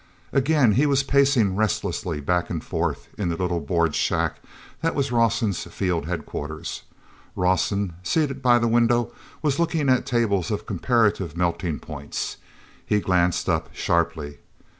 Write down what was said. Again he was pacing restlessly back and forth in the little board shack that was Rawson's field head quarters. Rawson, seated by the window, was looking at tables of comparative melting points. He glanced up sharply.